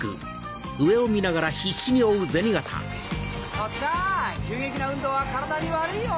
とっつあん急激な運動は体に悪いよ。